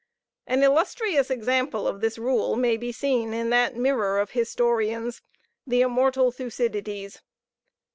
An illustrious example of this rule may be seen in that mirror of historians, the immortal Thucydides.